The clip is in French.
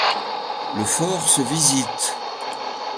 Le fort se visite.